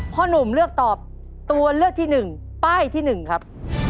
หนุ่มเลือกตอบตัวเลือกที่๑ป้ายที่๑ครับ